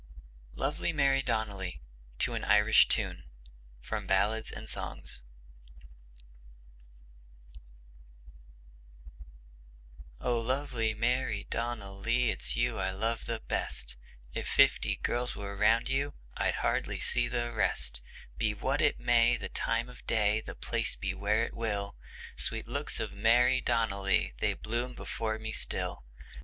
From 'Flower Pieces.' LOVELY MARY DONNELLY (To an Irish Tune) O lovely Mary Donnelly, it's you I love the best! If fifty girls were round you, I'd hardly see the rest. Be what it may the time of day, the place be where it will, Sweet looks of Mary Donnelly, they bloom before me still.